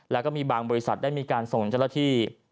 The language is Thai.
แล้วก็มีบางบริษัทได้มีการส่งเจ้าหน้าที่